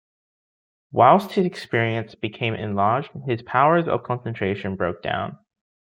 Whilst his experience became enlarged his powers of concentration broke down.